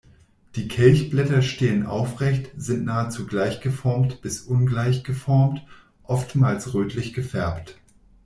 Die Kelchblätter stehen aufrecht, sind nahezu gleich geformt bis ungleich geformt, oftmals rötlich gefärbt.